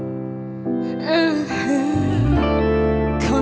ไม่เคยมีเขา